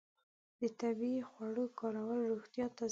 د طبیعي خوړو کارول روغتیا تضمینوي.